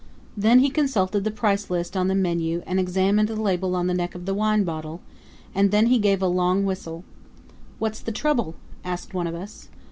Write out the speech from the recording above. Then he consulted the price list on the menu and examined the label on the neck of the wine bottle, and then he gave a long whistle. "What's the trouble?" asked one of us.